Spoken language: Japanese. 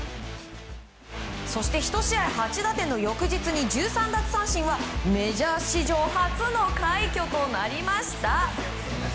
そして１試合８打点の翌日に１３奪三振は、メジャー史上初の快挙となりました。